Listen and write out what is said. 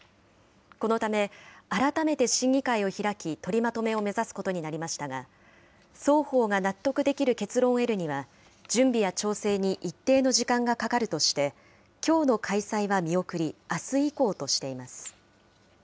このため、改めて審議会を開き、取りまとめを目指すことになりましたが、双方が納得できる結論を得るには準備や調整に一定の時間がかかるとして、きょうの開催は見送り、あす以降としています。